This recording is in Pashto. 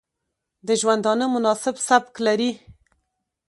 د ژوندانه مناسب سبک لري